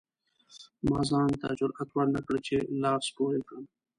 ما ځان ته جرئت ورنکړ چې لاس پورې کړم.